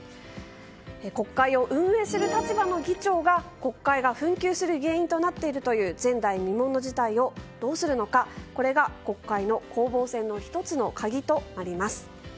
国会を運営する立場の議長が国会が紛糾する原因となっているという前代未聞の事態をどうするのかこれが国会の攻防戦の１つの鍵となります。